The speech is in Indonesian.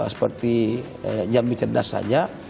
seperti jami cerdas saja